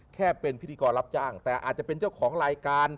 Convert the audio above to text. แค่เป็นพิธีกรรับจ้างแต่อาจจะเป็นเจ้าของรายการ